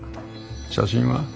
写真は？